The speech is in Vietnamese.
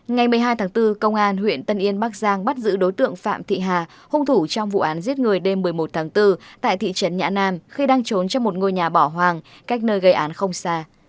ngày một mươi hai tháng bốn công an huyện tân yên bắc giang bắt giữ đối tượng phạm thị hà hung thủ trong vụ án giết người đêm một mươi một tháng bốn tại thị trấn nhã nam khi đang trốn trong một ngôi nhà bỏ hoàng cách nơi gây án không xa